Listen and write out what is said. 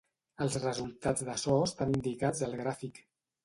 Els resultats d'açò estan indicats al gràfic.